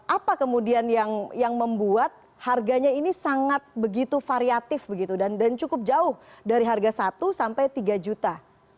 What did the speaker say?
apa kemudian yang membuat harganya ini sangat begitu variatif begitu dan cukup jauh dari harga satu sampai tiga juta